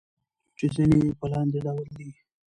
چې ځينې يې په لاندې ډول دي: